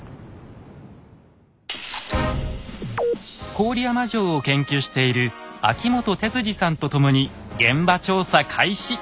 郡山城を研究している秋本哲治さんと共に現場調査開始！